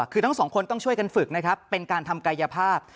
คือทั้งสองคนต้องช่วยกันฝึกนะครับเป็นการทำกายภาพ